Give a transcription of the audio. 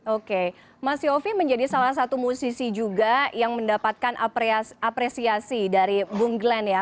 oke mas yofi menjadi salah satu musisi juga yang mendapatkan apresiasi dari bung glenn ya